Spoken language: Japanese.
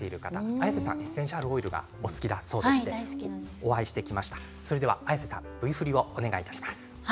綾瀬さん、エッセンシャルオイルがお好きだそうでしてお会いしてきました。